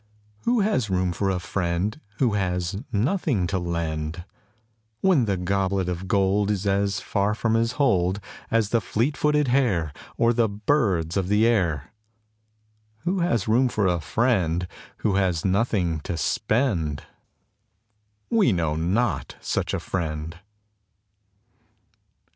Who has room for a friend Who has nothing to lend, When the goblet of gold Is as far from his hold As the fleet footed hare, Or the birds of the air. Who has room for a friend Who has nothing to spend? We know not such a friend.